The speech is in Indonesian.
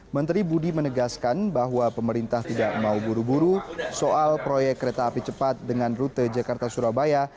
menteri budi menegaskan bahwa pemerintah tidak mau buru buru soal proyek kereta api cepat dengan rute jakarta surabaya